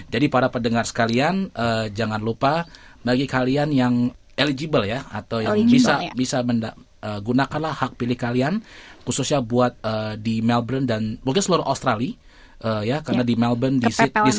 jadi para pendengar sekalian jangan lupa bagi kalian yang eligible ya atau yang bisa gunakanlah hak pilih kalian khususnya buat di melbourne dan mungkin seluruh australia ya karena di melbourne sydney